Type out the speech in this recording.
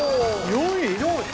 ４位？